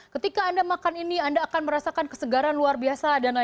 ketika anda makan ini anda akan merasakan kesegaran luar biasa dan lain lain